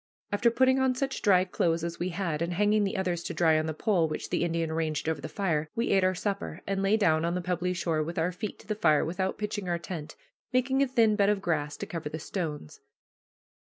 After putting on such dry clothes as we had, and hanging the others to dry on the pole which the Indian arranged over the fire, we ate our supper, and lay down on the pebbly shore with our feet to the fire without pitching our tent, making a thin bed of grass to cover the stones.